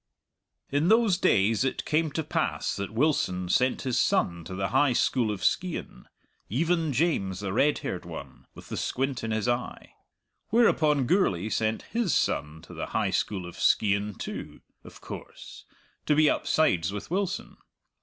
In those days it came to pass that Wilson sent his son to the High School of Skeighan even James, the red haired one, with the squint in his eye. Whereupon Gourlay sent his son to the High School of Skeighan too, of course, to be upsides with Wilson.